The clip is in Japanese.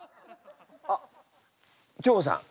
あっ強子さん